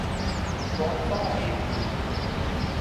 کون سا امیر۔